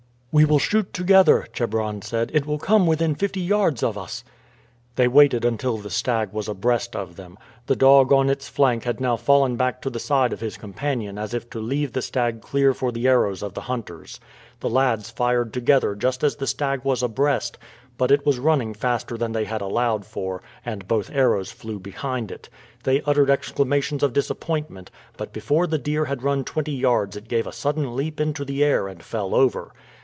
"We will shoot together," Chebron said. "It will come within fifty yards of us." They waited until the stag was abreast of them. The dog on its flank had now fallen back to the side of his companion as if to leave the stag clear for the arrows of the hunters. The lads fired together just as the stag was abreast; but it was running faster than they had allowed for, and both arrows flew behind it. They uttered exclamations of disappointment, but before the deer had run twenty yards it gave a sudden leap into the air and fell over.